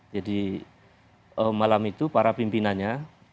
jadi malam itu para pimpinannya